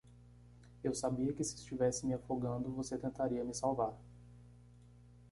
Eu sabia que se estivesse me afogando, você tentaria me salvar.